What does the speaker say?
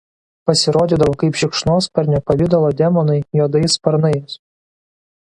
Pasirodydavo kaip šikšnosparnio pavidalo demonai juodais sparnais.